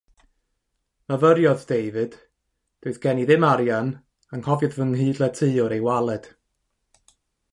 Myfyriodd David: Doedd gen i ddim arian, anghofiodd fy nghydletywr ei waled.